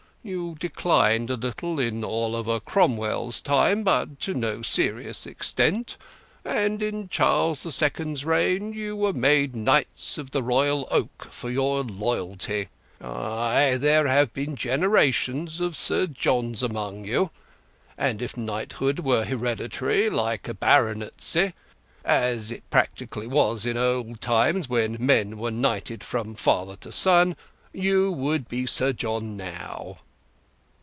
You declined a little in Oliver Cromwell's time, but to no serious extent, and in Charles the Second's reign you were made Knights of the Royal Oak for your loyalty. Aye, there have been generations of Sir Johns among you, and if knighthood were hereditary, like a baronetcy, as it practically was in old times, when men were knighted from father to son, you would be Sir John now."